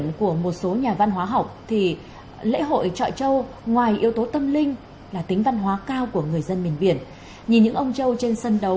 năm nay ban tổ chức lễ hội trọ châu đồ sơn phát một mươi hai vé với mức giá tám mươi đồng trên một vé